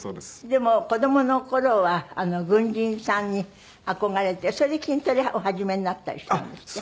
でも子供の頃は軍人さんに憧れてそれで筋トレお始めになったりしたんですって？